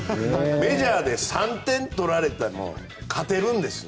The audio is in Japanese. メジャーでは３点取られても勝てるんです。